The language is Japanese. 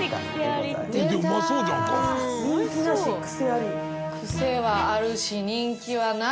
癖はあるし人気はない。